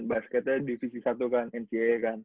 basketnya divisi satu kan mca kan